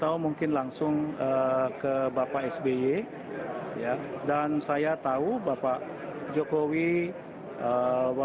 saya juga ingin mereka menurutku yang mungkin sudah bisa meng competisi lagi itu los simmons sudah berubah ke komunikasi itu agar dia akan menjadi sepains retak